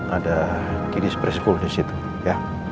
ada kidis preschool disitu ya